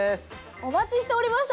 お持ちしておりました。